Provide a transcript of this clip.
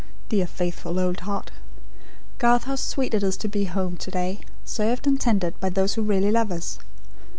Dear faithful old heart! Garth, how sweet it is to be at home to day; served and tended by those who really love us."